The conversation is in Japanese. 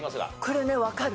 これねわかる。